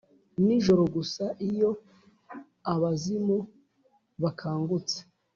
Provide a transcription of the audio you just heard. nijoro gusa iyo abazimu bakangutse,